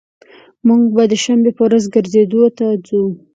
موږ به د شنبي په ورځ ګرځیدو ته ځو